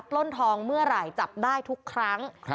ปล้นทองเมื่อไหร่จับได้ทุกครั้ง